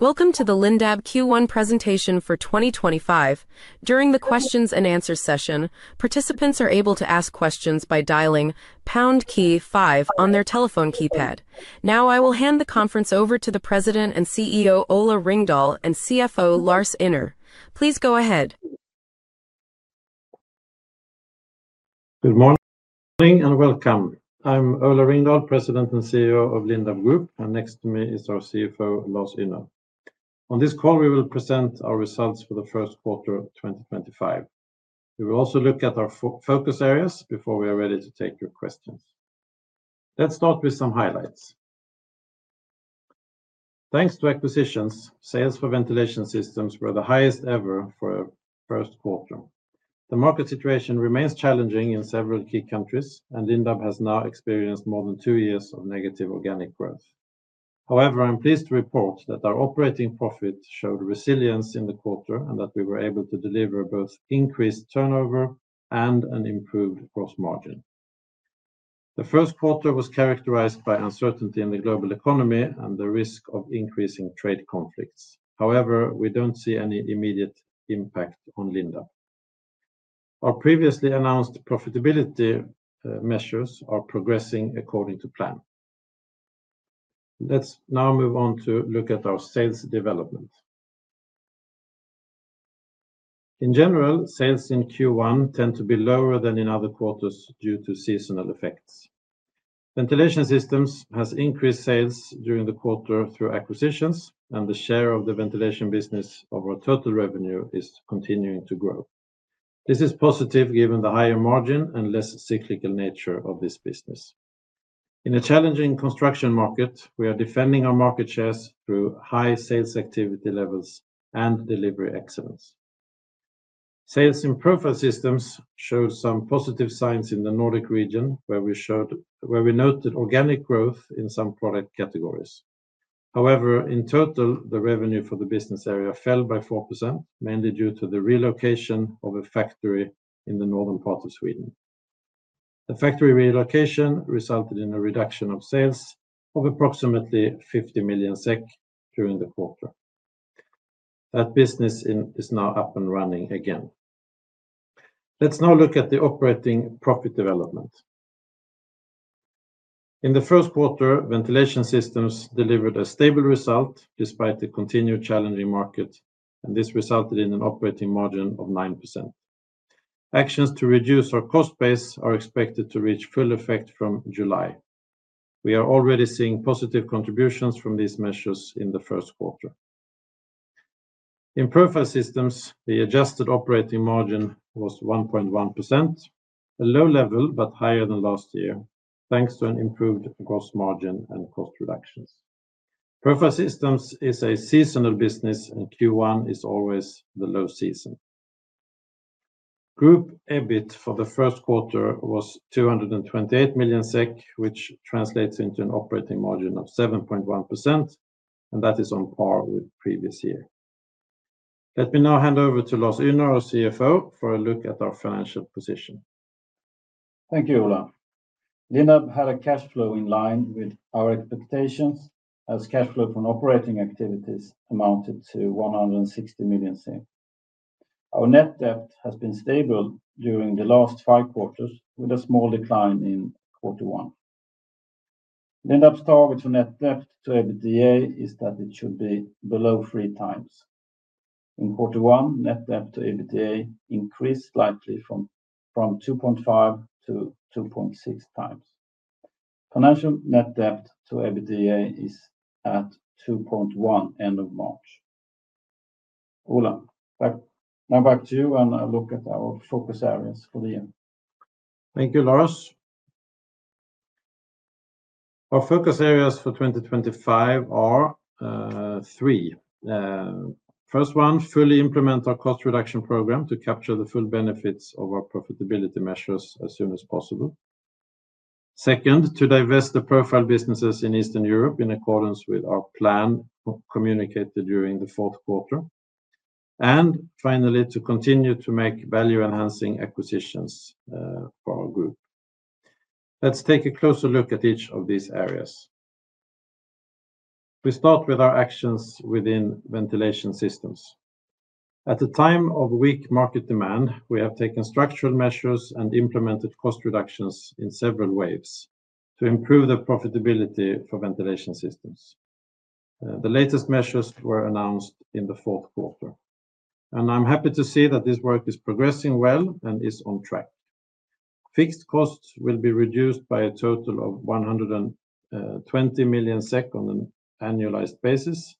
Welcome to the Lindab Q1 Presentation for 2025. During the Q&A session, participants are able to ask questions by dialing #5 on their telephone keypad. Now, I will hand the conference over to the President and CEO Ola Ringdahl and CFO Lars Ynner. Please go ahead. Good morning and welcome. I'm Ola Ringdahl, President and CEO of Lindab Group, and next to me is our CFO, Lars Ynner. On this call, we will present our results for Q1 2025. We will also look at our focus areas before we are ready to take your questions. Let's start with some highlights. Thanks to acquisitions, sales for Ventilation Systems were the highest ever for Q1. The market situation remains challenging in several key countries, and Lindab has now experienced more than 2 years of negative organic growth. However, I'm pleased to report that our operating profit showed resilience in Q4 and that we were able to deliver both increased turnover and an improved gross margin. Q1 was characterized by uncertainty in the global economy and the risk of increasing trade conflicts. However, we don't see any immediate impact on Lindab. Our previously announced profitability measures are progressing according to plan. Let's now move on to look at our sales development. In general, sales in Q1 tend to be lower than in other quarters due to seasonal effects. Ventilation Systems have increased sales during Q1 through acquisitions, and the share of the ventilation business of our total revenue is continuing to grow. This is positive given the higher margin and less cyclical nature of this business. In a challenging construction market, we are defending our market shares through high sales activity levels and delivery excellence. Sales in Profile Systems showed some positive signs in the Nordic region, where we noted organic growth in some product categories. However, in total, the revenue for the business area fell by 4%, mainly due to the relocation of a factory in the northern part of Sweden. The factory relocation resulted in a reduction of sales of approximately 50 million SEK during Q4. That business is now up and running again. Let's now look at the operating profit development. In Q1, Ventilation Systems delivered a stable result despite the continued challenging market, and this resulted in an operating margin of 9%. Actions to reduce our cost base are expected to reach full effect from July. We are already seeing positive contributions from these measures in Q1. In Profile Systems, the adjusted operating margin was 1.1%, a low level but higher than last year, thanks to an improved gross margin and cost reductions. Profile Systems is a seasonal business, and Q1 is always the low season. Group EBIT for Q1 was 228 million SEK, which translates into an operating margin of 7.1%, and that is on par with previous year. Let me now hand over to Lars Ynner, our CFO, for a look at our financial position. Thank you, Ola. Lindab had a cash flow in line with our expectations, as cash flow from operating activities amounted to 160 million. Our net debt has been stable during the last five quarters, with a small decline in Q1. Lindab's target for net debt to EBITDA is that it should be below three times. In Q1, net debt to EBITDA increased slightly from 2.5 to 2.6 times. Financial net debt to EBITDA is at 2.1 at the end of March. Ola, now back to you and a look at our focus areas for the year. Thank you, Lars. Our focus areas for 2025 are 3. First one, fully implement our cost reduction program to capture the full benefits of our profitability measures as soon as possible. Second, to divest the profile businesses in Eastern Europe in accordance with our plan communicated during Q4. Finally, to continue to make value-enhancing acquisitions for our group. Let's take a closer look at each of these areas. We start with our actions within Ventilation Systems. At a time of weak market demand, we have taken structural measures and implemented cost reductions in several waves to improve the profitability for Ventilation Systems. The latest measures were announced in Q4, and I'm happy to see that this work is progressing well and is on track. Fixed costs will be reduced by a total of 120 million SEK on an annualized basis,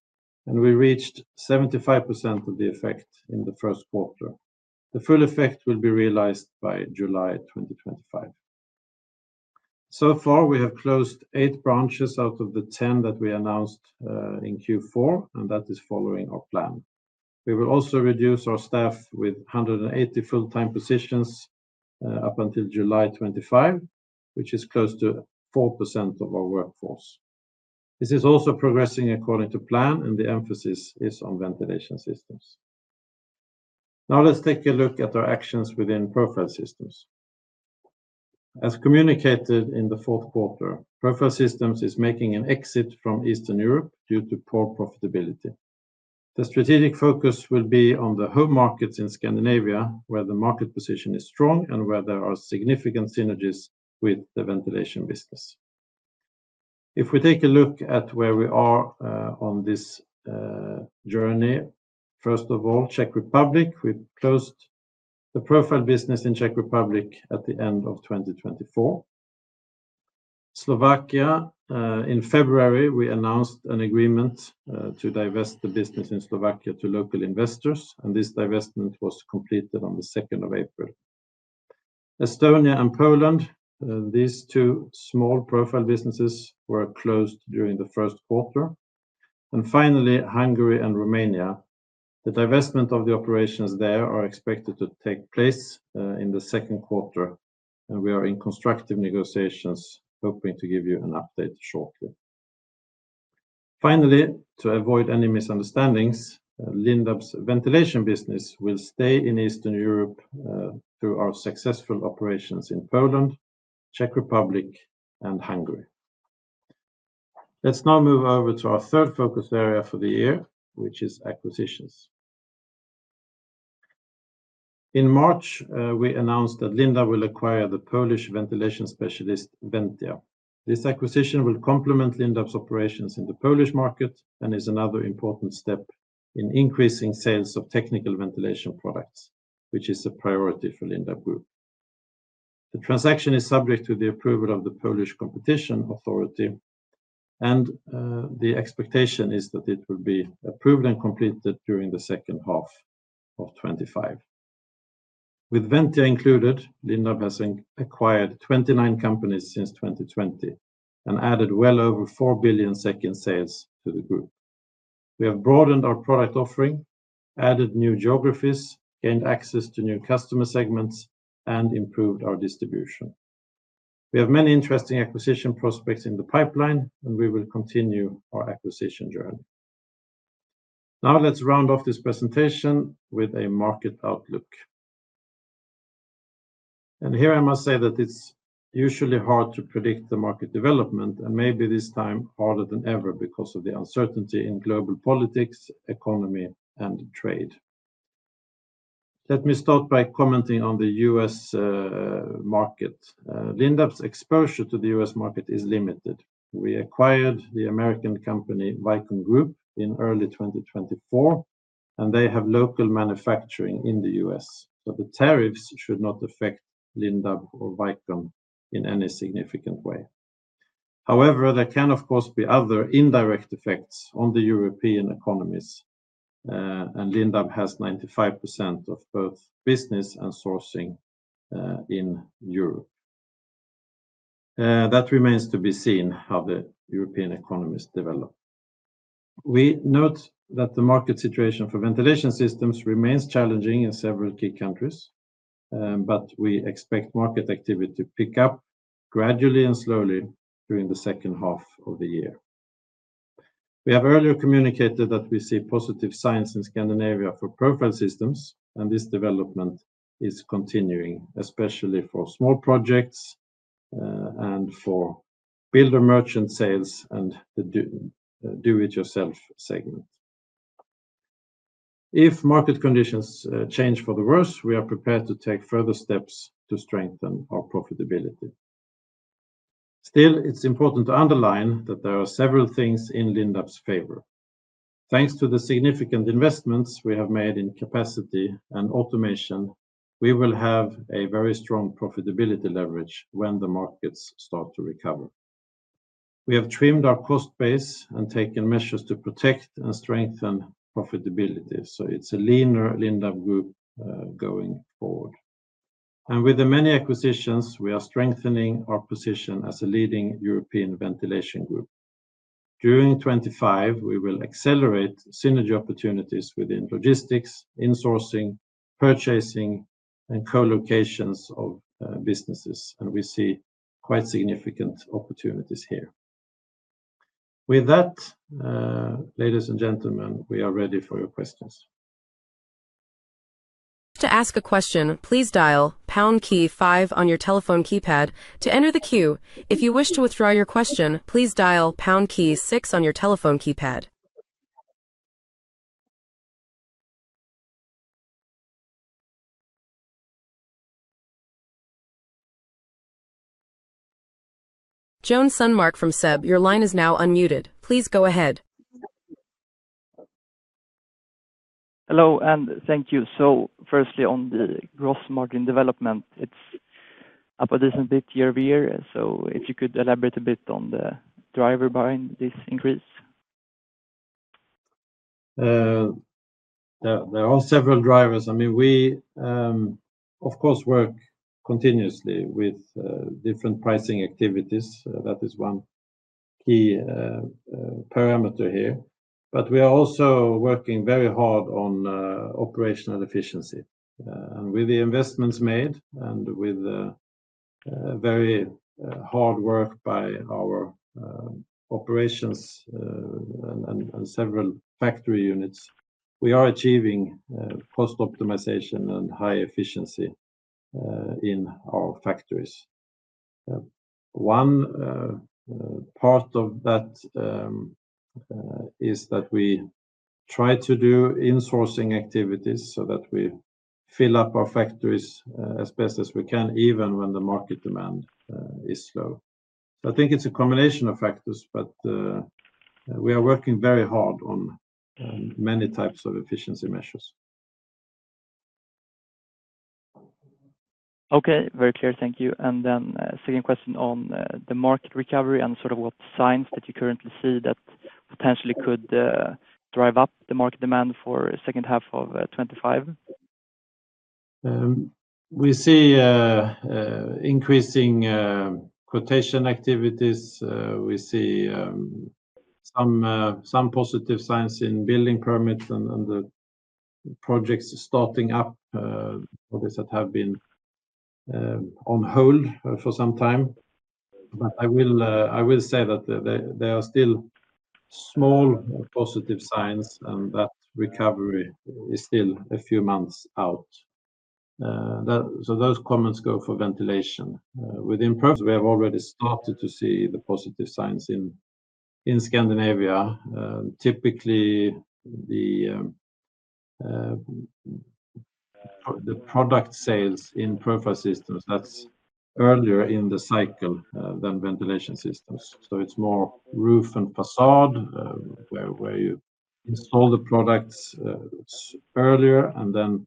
and we reached 75% of the effect in Q1. The full effect will be realized by July 2025. So far, we have closed 8 branches out of the 10 that we announced in Q4, and that is following our plan. We will also reduce our staff with 180 full-time positions up until July 2025, which is close to 4% of our workforce. This is also progressing according to plan, and the emphasis is on ventilation systems. Now, let's take a look at our actions within profile systems. As communicated in Q4, profile systems is making an exit from Eastern Europe due to poor profitability. The strategic focus will be on the home markets in Scandinavia, where the market position is strong and where there are significant synergies with the ventilation business. If we take a look at where we are on this journey, first of all, Czech Republic, we closed the profile business in Czech Republic at the end of 2024. Slovakia, in February, we announced an agreement to divest the business in Slovakia to local investors, and this divestment was completed on April 2. Estonia and Poland, these two small profile businesses, were closed during Q1. Finally, Hungary and Romania, the divestment of the operations there are expected to take place in Q2, and we are in constructive negotiations, hoping to give you an update shortly. Finally, to avoid any misunderstandings, Lindab's ventilation business will stay in Eastern Europe through our successful operations in Poland, Czech Republic, and Hungary. Let's now move over to our third focus area for the year, which is acquisitions. In March, we announced that Lindab will acquire the Polish ventilation specialist Ventia. This acquisition will complement Lindab's operations in the Polish market and is another important step in increasing sales of technical ventilation products, which is a priority for Lindab Group. The transaction is subject to the approval of the Polish Competition Authority, and the expectation is that it will be approved and completed during Q2 of 2025. With Ventia included, Lindab has acquired 29 companies since 2020 and added well over 4 billion in sales to the group. We have broadened our product offering, added new geographies, gained access to new customer segments, and improved our distribution. We have many interesting acquisition prospects in the pipeline, and we will continue our acquisition journey. Now, let's round off this presentation with a market outlook. I must say that it's usually hard to predict the market development, and maybe this time harder than ever because of the uncertainty in global politics, economy, and trade. Let me start by commenting on the U.S. market. Lindab's exposure to the U.S. market is limited. We acquired the American company Vicon Group in early 2024, and they have local manufacturing in the U.S., so the tariffs should not affect Lindab or Vicon in any significant way. However, there can, of course, be other indirect effects on the European economies, and Lindab has 95% of both business and sourcing in Europe. That remains to be seen how the European economies develop. We note that the market situation for ventilation systems remains challenging in several key countries, but we expect market activity to pick up gradually and slowly during Q2 of the year. We have earlier communicated that we see positive signs in Scandinavia for Profile Systems, and this development is continuing, especially for small projects and for builder-merchant sales and the do-it-yourself segment. If market conditions change for the worse, we are prepared to take further steps to strengthen our profitability. Still, it's important to underline that there are several things in Lindab's favor. Thanks to the significant investments we have made in capacity and automation, we will have a very strong profitability leverage when the markets start to recover. We have trimmed our cost base and taken measures to protect and strengthen profitability, so it's a leaner Lindab Group going forward. With the many acquisitions, we are strengthening our position as a leading European ventilation group. During Q25, we will accelerate synergy opportunities within logistics, insourcing, purchasing, and co-locations of businesses, and we see quite significant opportunities here. With that, ladies and gentlemen, we are ready for your questions. To ask a question, please dial #5 on your telephone keypad to enter the queue. If you wish to withdraw your question, please dial #6 on your telephone keypad. Joan Sundmark from SEB, your line is now unmuted. Please go ahead. Hello, and thank you. Firstly, on the gross margin development, it is up a decent bit year over year, so if you could elaborate a bit on the driver behind this increase. There are several drivers. I mean, we, of course, work continuously with different pricing activities. That is one key parameter here. We are also working very hard on operational efficiency. With the investments made and with very hard work by our operations and several factory units, we are achieving cost optimization and high efficiency in our factories. One part of that is that we try to do insourcing activities so that we fill up our factories as best as we can, even when the market demand is slow. I think it is a combination of factors, but we are working very hard on many types of efficiency measures. Okay, very clear. Thank you. Then a second question on the market recovery and sort of what signs that you currently see that potentially could drive up the market demand for Q2 of 2025. We see increasing quotation activities. We see some positive signs in building permits and the projects starting up that have been on hold for some time. I will say that there are still small positive signs and that recovery is still a few months out. Those comments go for ventilation. Within Profile Systems, we have already started to see the positive signs in Scandinavia. Typically, the product sales in Profile Systems, that is earlier in the cycle than Ventilation Systems. It is more roof and facade where you install the products earlier, and then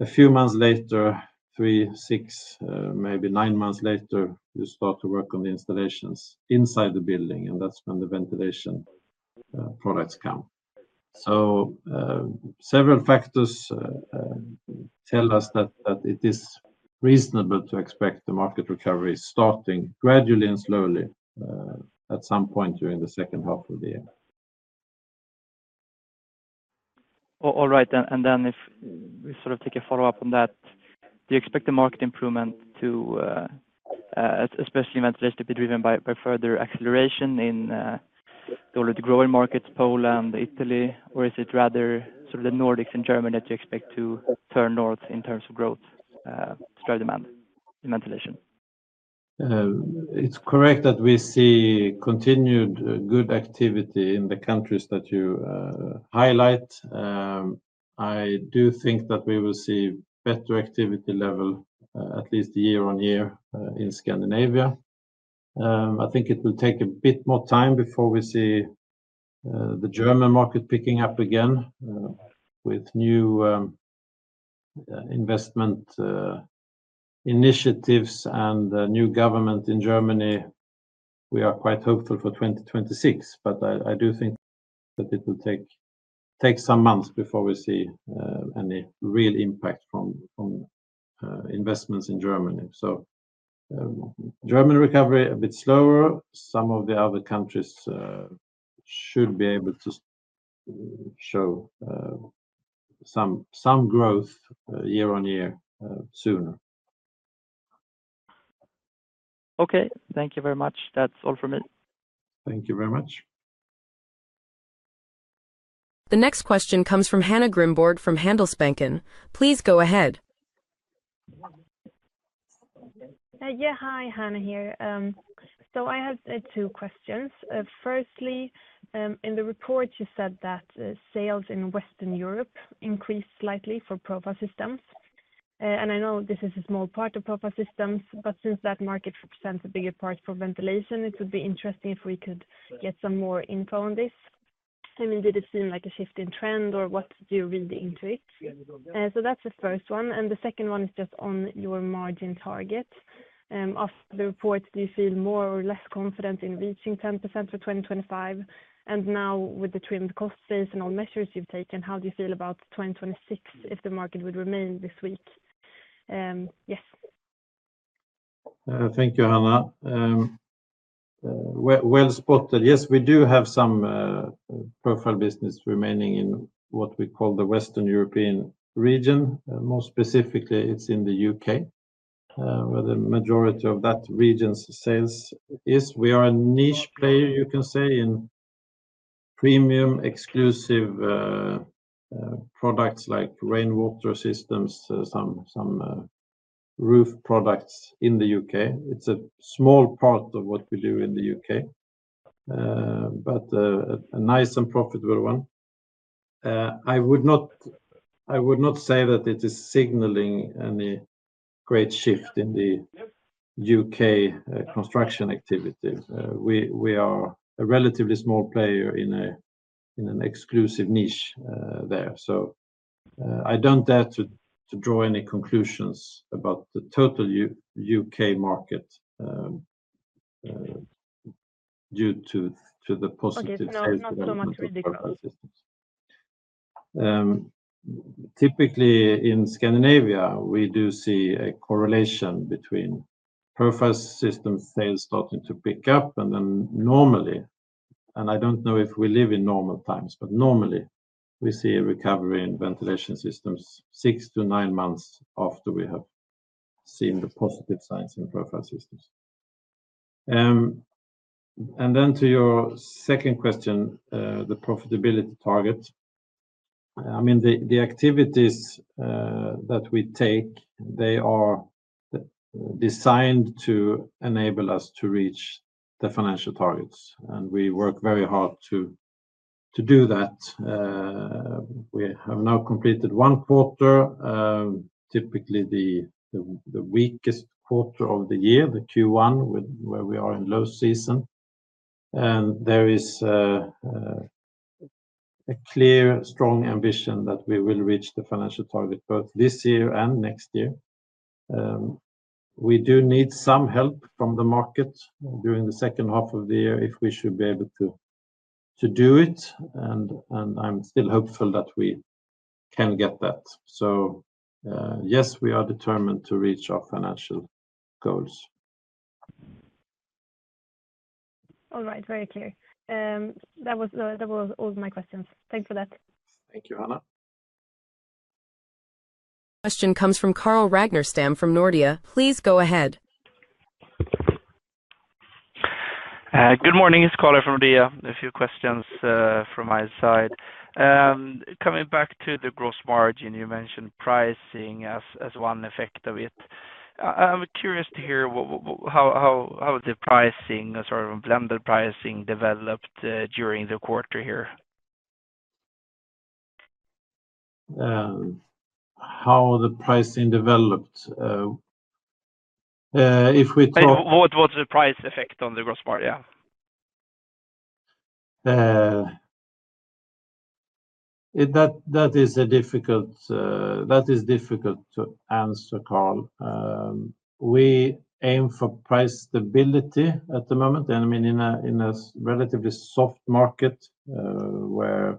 a few months later, 3, 6 maybe 9 months later, you start to work on the installations inside the building, and that is when the ventilation products come. Several factors tell us that it is reasonable to expect the market recovery starting gradually and slowly at some point during the second half of the year. All right. And then if we sort of take a follow-up on that, do you expect the market improvement to, especially ventilation, to be driven by further acceleration in the already growing markets, Poland, Italy, or is it rather sort of the Nordics and Germany that you expect to turn north in terms of growth, drive demand in ventilation? It's correct that we see continued good activity in the countries that you highlight. I do think that we will see better activity level, at least year on year, in Scandinavia. I think it will take a bit more time before we see the German market picking up again with new investment initiatives and new government in Germany. We are quite hopeful for 2026, but I do think that it will take some months before we see any real impact from investments in Germany. German recovery, a bit slower. Some of the other countries should be able to show some growth year on year sooner. Okay, thank you very much. That's all from me. Thank you very much. The next question comes from Hannah Grimborg from Handelsbanken. Please go ahead. Yeah, hi, Hannah here. I have two questions. Firstly, in the report, you said that sales in Western Europe increased slightly for Profile Systems. I know this is a small part of Profile Systems, but since that market represents a bigger part for Ventilation, it would be interesting if we could get some more info on this. I mean, did it seem like a shift in trend, or what do you read into it? That is the first one. The second one is just on your margin target. After the report, do you feel more or less confident in reaching 10% for 2025? Now, with the trimmed cost base and all measures you have taken, how do you feel about 2026 if the market would remain this weak? Yes. Thank you, Hannah. Well spotted. Yes, we do have some profile business remaining in what we call the Western European region. More specifically, it is in the U.K., where the majority of that region's sales is. We are a niche player, you can say, in premium exclusive products like rainwater systems, some roof products in the U.K. It is a small part of what we do in the U.K., but a nice and profitable one. I would not say that it is signaling any great shift in the U.K. construction activity. We are a relatively small player in an exclusive niche there. I do not dare to draw any conclusions about the total U.K. market due to the positive sales of profile systems. Okay, so not so much with the Profile Systems. Typically, in Scandinavia, we do see a correlation between profile systems sales starting to pick up. Normally, and I do not know if we live in normal times, but normally, we see a recovery in ventilation systems six to nine months after we have seen the positive signs in profile systems. To your second question, the profitability target. I mean, the activities that we take, they are designed to enable us to reach the financial targets, and we work very hard to do that. We have now completed one quarter, typically the weakest quarter of the year, the Q1, where we are in low season. There is a clear, strong ambition that we will reach the financial target both this year and next year. We do need some help from the market during the second half of the year if we should be able to do it, and I'm still hopeful that we can get that. Yes, we are determined to reach our financial goals. All right, very clear. That was all my questions. Thanks for that. Thank you, Hannah. Question comes from Carl Ragnar Stamm from Nordia. Please go ahead. Good morning. It is Carl from Nordia. A few questions from my side. Coming back to the gross margin, you mentioned pricing as one effect of it. I am curious to hear how the pricing, sort of blended pricing, developed during the quarter here. How did the pricing develop? If we talk. What was the price effect on the gross margin? That is difficult to answer, Carl. We aim for price stability at the moment. I mean, in a relatively soft market where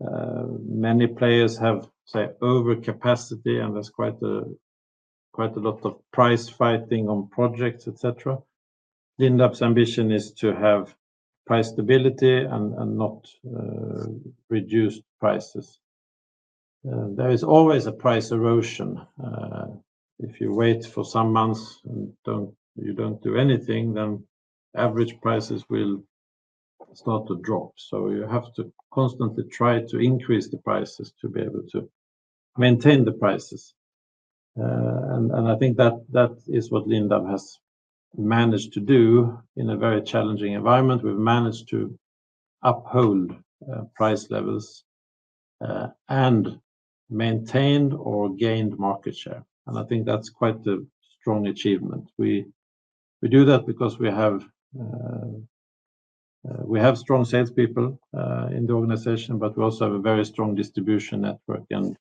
many players have, say, overcapacity, and there is quite a lot of price fighting on projects, etc., Lindab's ambition is to have price stability and not reduced prices. There is always a price erosion. If you wait for some months and you do not do anything, then average prices will start to drop. You have to constantly try to increase the prices to be able to maintain the prices. I think that is what Lindab has managed to do in a very challenging environment. We have managed to uphold price levels and maintained or gained market share. I think that is quite a strong achievement. We do that because we have strong salespeople in the organization, but we also have a very strong distribution network and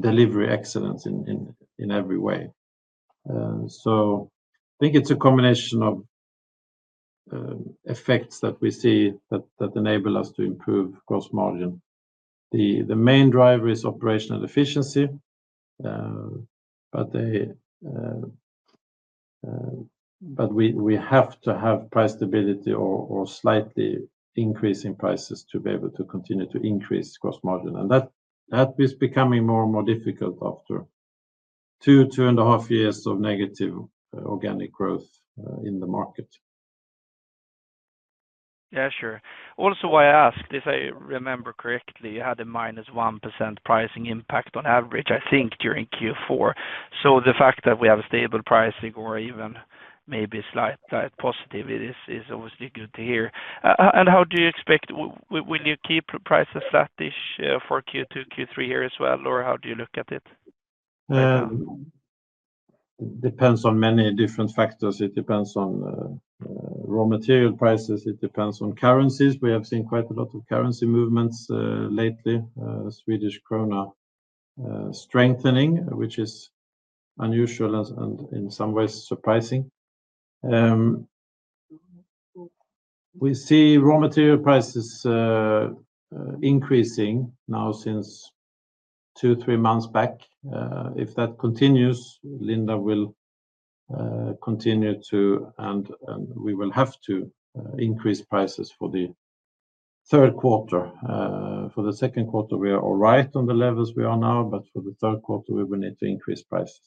delivery excellence in every way. I think it is a combination of effects that we see that enable us to improve gross margin. The main driver is operational efficiency, but we have to have price stability or slightly increasing prices to be able to continue to increase gross margin. That is becoming more and more difficult after two, two and a half years of negative organic growth in the market. Yeah, sure. Also, why I asked, if I remember correctly, you had a -1% pricing impact on average, I think, during Q4. The fact that we have a stable pricing or even maybe slight positivity is obviously good to hear. How do you expect? Will you keep prices flat-ish for Q2, Q3 here as well, or how do you look at it? It depends on many different factors. It depends on raw material prices. It depends on currencies. We have seen quite a lot of currency movements lately, Swedish krona strengthening, which is unusual and in some ways surprising. We see raw material prices increasing now since two, three months back. If that continues, Lindab will continue to, and we will have to increase prices for the third quarter. For the second quarter, we are all right on the levels we are now, but for the third quarter, we will need to increase prices.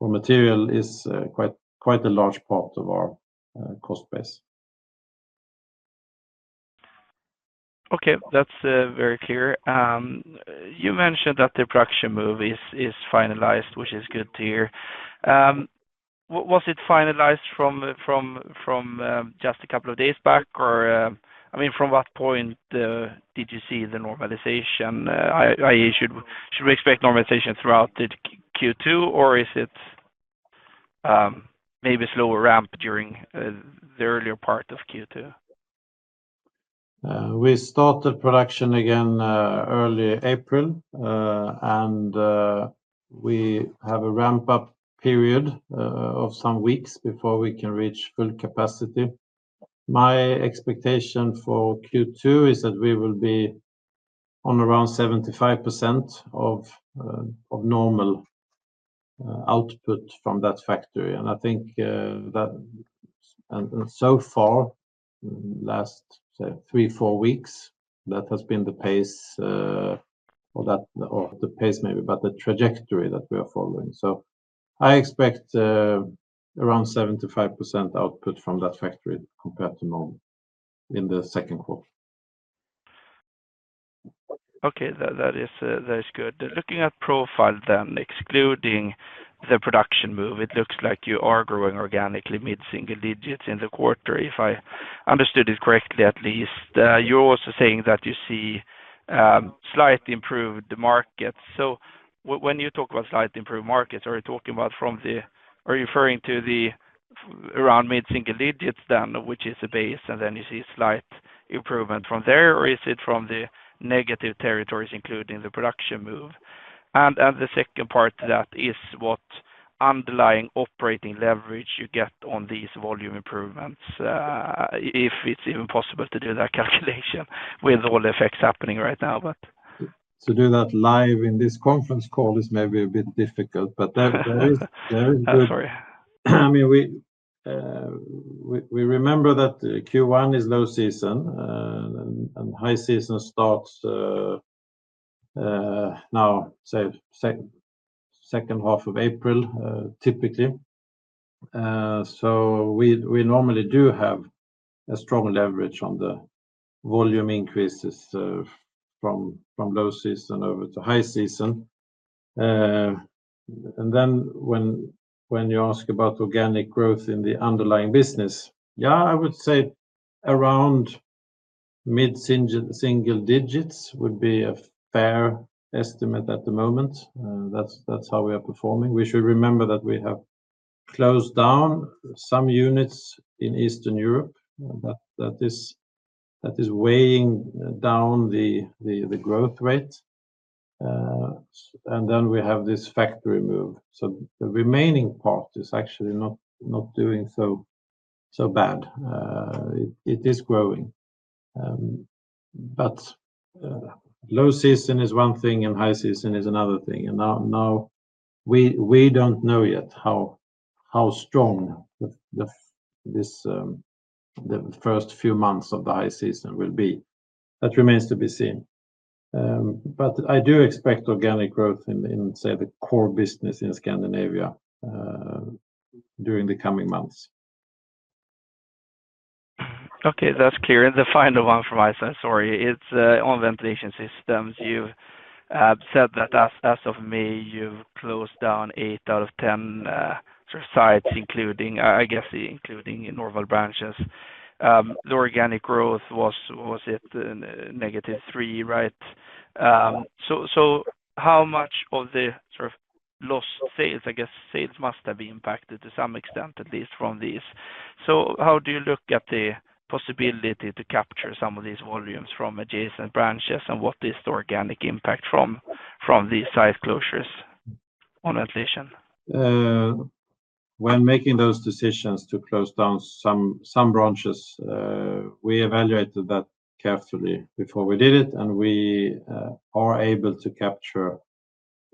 Raw material is quite a large part of our cost base. Okay, that's very clear. You mentioned that the production move is finalized, which is good to hear. Was it finalized from just a couple of days back, or, I mean, from what point did you see the normalization? Should we expect normalization throughout Q2, or is it maybe slower ramp during the earlier part of Q2? We started production again early April, and we have a ramp-up period of some weeks before we can reach full capacity. My expectation for Q2 is that we will be on around 75% of normal output from that factory. I think that so far, last, say, three, four weeks, that has been the pace or the pace maybe, but the trajectory that we are following. I expect around 75% output from that factory compared to normal in the second quarter. Okay, that is good. Looking at profile then, excluding the production move, it looks like you are growing organically mid-single digits in the quarter, if I understood it correctly at least. You're also saying that you see slight improved markets. When you talk about slight improved markets, are you talking about from the, are you referring to the around mid-single digits then, which is the base, and then you see slight improvement from there, or is it from the negative territories, including the production move? The second part to that is what underlying operating leverage you get on these volume improvements, if it's even possible to do that calculation with all effects happening right now, but. To do that live in this conference call is maybe a bit difficult, but there is good. Sorry. I mean, we remember that Q1 is low season, and high season starts now, say, second half of April, typically. We normally do have a strong leverage on the volume increases from low season over to high season. When you ask about organic growth in the underlying business, yeah, I would say around mid-single digits would be a fair estimate at the moment. That's how we are performing. We should remember that we have closed down some units in Eastern Europe. That is weighing down the growth rate. We have this factory move. The remaining part is actually not doing so bad. It is growing. Low season is one thing, and high season is another thing. Now we do not know yet how strong the first few months of the high season will be. That remains to be seen. I do expect organic growth in, say, the core business in Scandinavia during the coming months. Okay, that's clear. The final one from my side, sorry, it's on ventilation systems. You've said that as of May, you've closed down eight out of ten sites, I guess including normal branches. The organic growth was at negative 3%, right? How much of the sort of lost sales, I guess, sales must have been impacted to some extent, at least from these. How do you look at the possibility to capture some of these volumes from adjacent branches and what is the organic impact from these site closures on ventilation? When making those decisions to close down some branches, we evaluated that carefully before we did it, and we are able to capture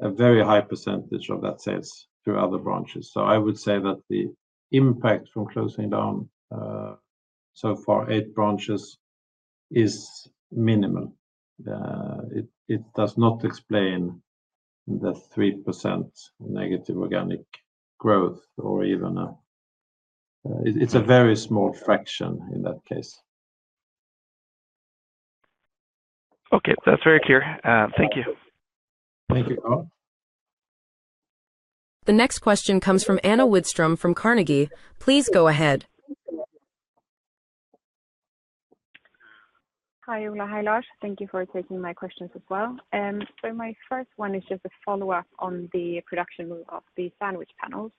a very high percentage of that sales through other branches. I would say that the impact from closing down so far eight branches is minimal. It does not explain the 3% negative organic growth or even a it's a very small fraction in that case. Okay, that's very clear. Thank you. Thank you, Carl. The next question comes from Anna Widström from Carnegie. Please go ahead. Hi, Ola. Hi, Lars. Thank you for taking my questions as well. My first one is just a follow-up on the production move of the sandwich panels.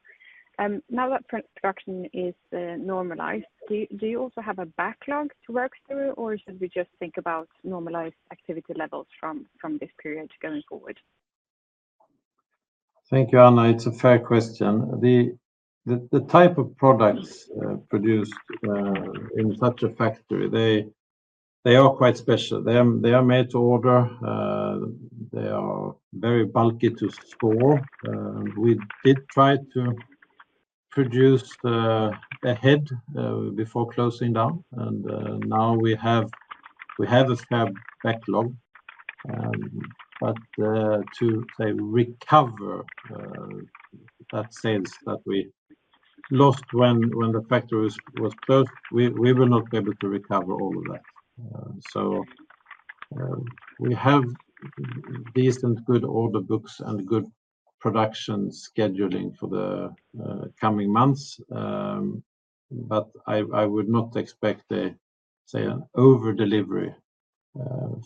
Now that production is normalized, do you also have a backlog to work through, or should we just think about normalized activity levels from this period going forward? Thank you, Anna. It's a fair question. The type of products produced in such a factory, they are quite special. They are made to order. They are very bulky to store. We did try to produce ahead before closing down, and now we have a fair backlog. To, say, recover that sales that we lost when the factory was closed, we will not be able to recover all of that. We have decent good order books and good production scheduling for the coming months, but I would not expect an overdelivery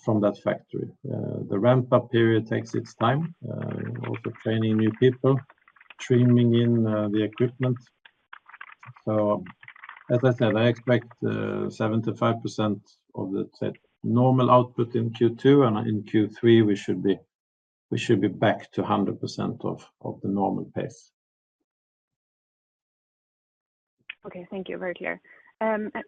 from that factory. The ramp-up period takes its time, also training new people, trimming in the equipment. As I said, I expect 75% of the normal output in Q2, and in Q3, we should be back to 100% of the normal pace. Okay, thank you. Very clear.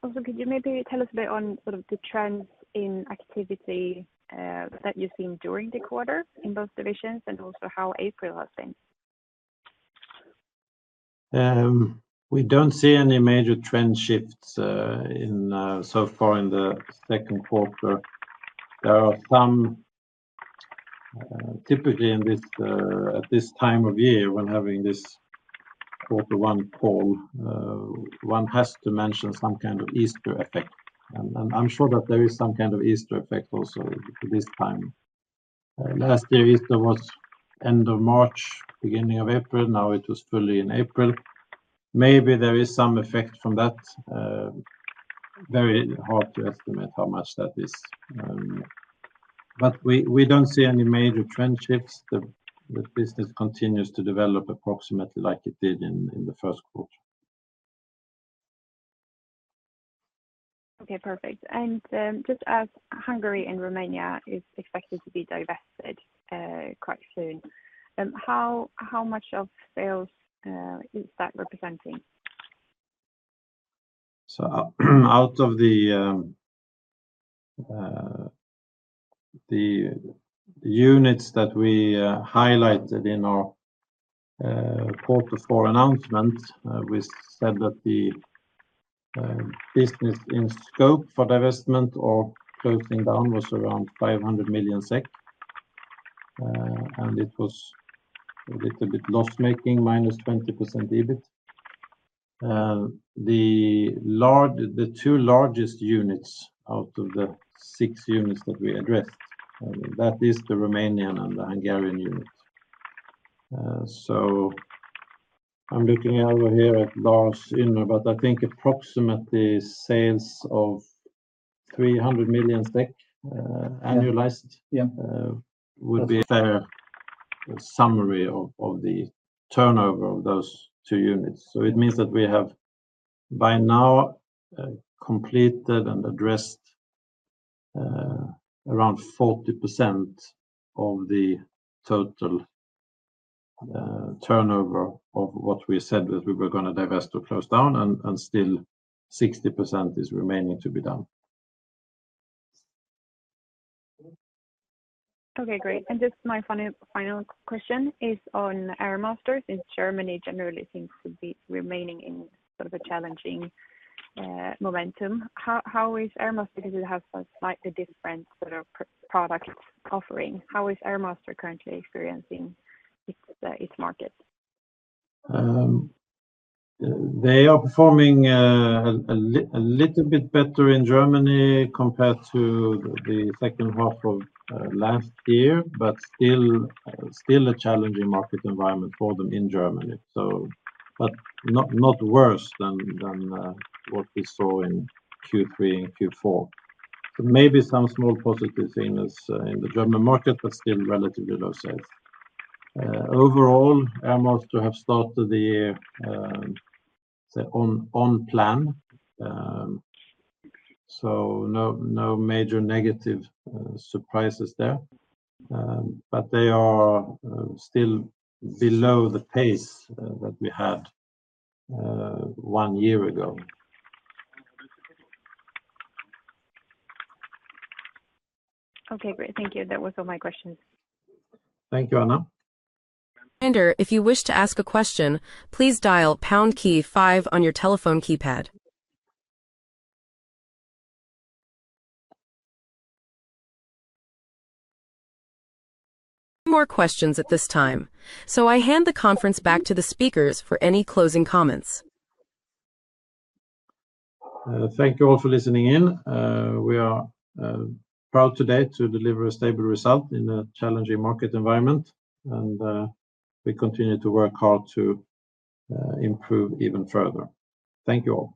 Also, could you maybe tell us a bit on sort of the trends in activity that you've seen during the quarter in both divisions and also how April has been? We do not see any major trend shifts so far in the second quarter. There are some, typically at this time of year, when having this quarter one call, one has to mention some kind of Easter effect. I am sure that there is some kind of Easter effect also this time. Last year, Easter was end of March, beginning of April. Now it was fully in April. Maybe there is some effect from that. Very hard to estimate how much that is. We do not see any major trend shifts. The business continues to develop approximately like it did in the first quarter. Okay, perfect. Just as Hungary and Romania is expected to be divested quite soon, how much of sales is that representing? Out of the units that we highlighted in our quarter four announcement, we said that the business in scope for divestment or closing down was around 500 million SEK. It was a little bit loss-making, minus 20% EBIT. The two largest units out of the six units that we addressed, that is the Romanian and the Hungarian unit. I am looking over here at Lars Ynner, but I think approximately sales of 300 million annualized would be a fair summary of the turnover of those two units. It means that we have by now completed and addressed around 40% of the total turnover of what we said that we were going to divest or close down, and still 60% is remaining to be done. Okay, great. Just my final question is on Airmaster, since Germany generally seems to be remaining in sort of a challenging momentum. How is Airmaster, because it has a slightly different sort of product offering, how is Airmaster currently experiencing its market? They are performing a little bit better in Germany compared to the second half of last year, but still a challenging market environment for them in Germany. Not worse than what we saw in Q3 and Q4. Maybe some small positive thing in the German market, but still relatively low sales. Overall, Airmasters have started the year on plan. No major negative surprises there. They are still below the pace that we had 1 year ago. Okay, great. Thank you. That was all my questions. Thank you, Anna. Reminder, if you wish to ask a question, please dial #5 on your telephone keypad. No more questions at this time. I hand the conference back to the speakers for any closing comments. Thank you all for listening in. We are proud today to deliver a stable result in a challenging market environment, and we continue to work hard to improve even further. Thank you all.